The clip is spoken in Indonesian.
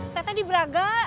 tete di braga